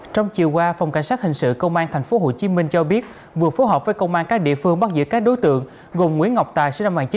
trong chiều qua phòng cảnh sát hình sự công an tp hcm cho biết vừa phối hợp với công an các địa phương bắt giữ các đối tượng gồm nguyễn ngọc tài